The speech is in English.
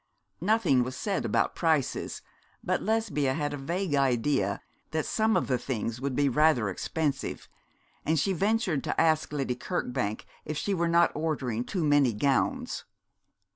Nothing was said about prices; but Lesbia had a vague idea that some of the things would be rather expensive, and she ventured to ask Lady Kirkbank if she were not ordering too many gowns.